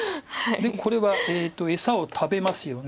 でこれは餌を食べますよね。